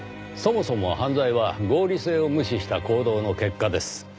そもそも犯罪は合理性を無視した行動の結果です。